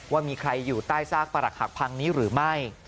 ว่ามีใครอยู่ใต้ซากประหลักหักพังนี้หรือไม่